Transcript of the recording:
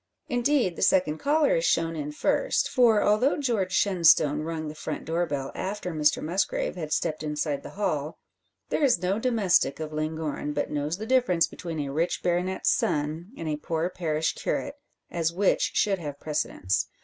Indeed the second caller is shown in first; for, although George Shenstone rung the front door bell after Mr Musgrave had stepped inside the hall, there is no domestic of Llangorren but knows the difference between a rich baronet's son and a poor parish curate; as which should have precedence.